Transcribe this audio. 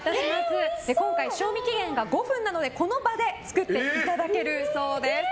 今回、賞味期限が５分なのでこの場で作っていただけるそうです。